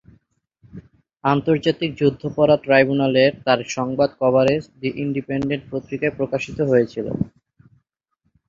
আন্তর্জাতিক যুদ্ধাপরাধ ট্রাইব্যুনালের তার সংবাদ কভারেজ "দি ইন্ডিপেন্ডেন্ট" পত্রিকায় প্রকাশিত হয়েছিল।